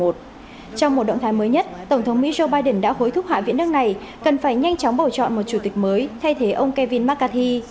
trong một động thái mới nhất tổng thống mỹ joe biden đã hối thúc hạ viện nước này cần phải nhanh chóng bầu chọn một chủ tịch mới thay thế ông kevin mccarthy